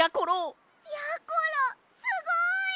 やころすごい！